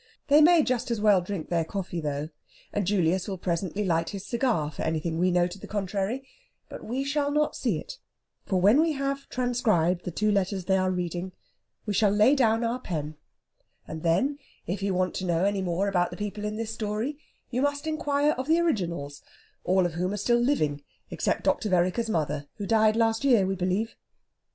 They may just as well drink their coffee, though, and Julius will presently light his cigar for anything we know to the contrary; but we shall not see it, for when we have transcribed the two letters they are reading we shall lay down our pen, and then, if you want to know any more about the people in this story, you must inquire of the originals, all of whom are still living except Dr. Vereker's mother, who died last year, we believe.